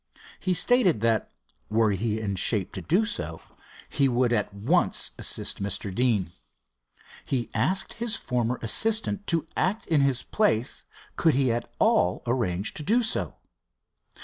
He stated, that were he in shape to do so, he would at once assist Mr. Deane. He asked his former assistant to act in his place, could he at all arrange to do so.